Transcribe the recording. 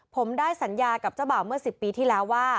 ผมได้สัญญากับเจ้าบ่าวเมื่อ๑๐ปีที่แล้วว่า